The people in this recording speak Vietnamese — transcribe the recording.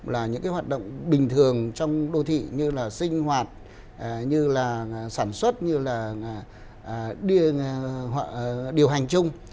là những cái hoạt động bình thường trong đô thị như là sinh hoạt như là sản xuất như là điều hành chung